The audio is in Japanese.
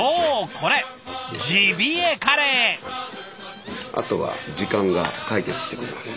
これあとは時間が解決してくれます。